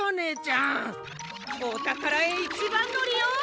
おたからへいちばんのりよ！